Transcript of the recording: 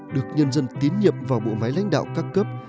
được nhân dân tiến nhập vào bộ máy lãnh đạo ca cấp